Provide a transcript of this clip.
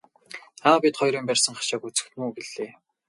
Аав бид хоёрын барьсан хашааг үзэх нь үү гэлээ.